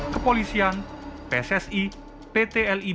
kepolisian pssi pt